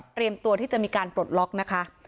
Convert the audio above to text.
ตัวที่จะมีการปลดล็อกนะคะ